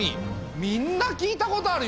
みんな聞いたことあるよ。